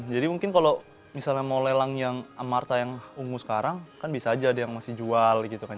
jadi mungkin kalau misalnya mau melelang yang amartahang ungu sekarang kan bisa aja yang masih jual gitu kan